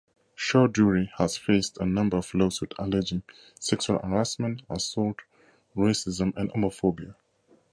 Choudhury has faced a number of lawsuits alleging sexual harassment, assault, racism and homophobia.